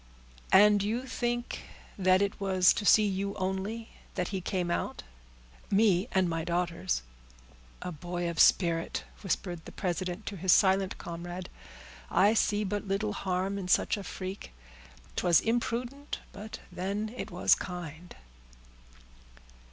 "And you think that it was to see you, only, that he came out?" "Me, and my daughters." "A boy of spirit," whispered the president to his silent comrade. "I see but little harm in such a freak; 'twas imprudent, but then it was kind."